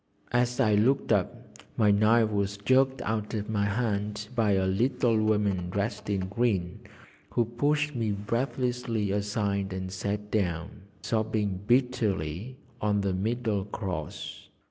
As I looked up, my knife was jerked out of my hand by a little woman dressed in green, who pushed me breathlessly aside and sat down, sobbing bitterly, on the middle cross.